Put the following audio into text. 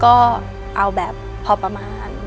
ก็เอาแบบพอประมาณ